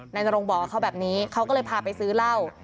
นายนรงบอกกับเขาแบบนี้เขาก็เลยพาไปซื้อเหล้า